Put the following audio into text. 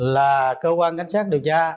là cơ quan cảnh sát điều tra